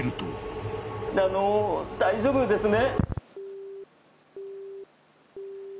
あの大丈夫ですね？